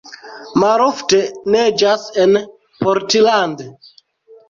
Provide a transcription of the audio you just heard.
Malofte neĝas en Portland.